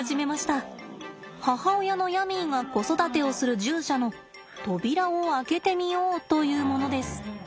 母親のヤミーが子育てをする獣舎の扉を開けてみようというものです。